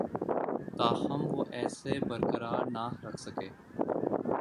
تاہم وہ اسے برقرار نہ رکھ سکے